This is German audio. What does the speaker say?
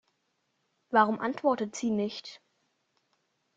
Warum antwortet sie nicht?